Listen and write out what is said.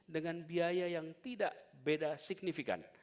dengan biaya yang tidak beda signifikan